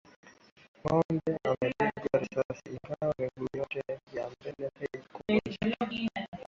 Ng'ombe wamepigwa risasi ingawa miguu yote ya mbele haikuvunjika.